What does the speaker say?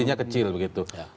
intinya kecil begitu